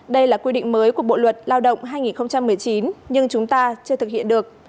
đây là quy định mới của bộ luật lao động hai nghìn một mươi chín nhưng chúng ta chưa thực hiện được